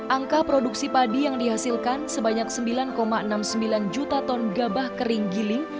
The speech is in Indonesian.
angka produksi padi yang dihasilkan sebanyak sembilan enam puluh sembilan juta ton gabah kering giling